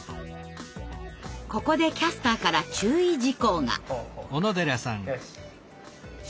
ここでキャスターから注意事項が。